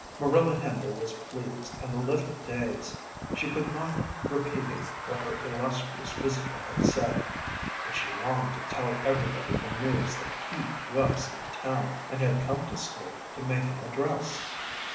Marilla Hender was pleased and a little dazed; she could not have repeated what her illustrious visitor had said, but she longed to tell everybody the news that he was in town, and had come to school to make an address.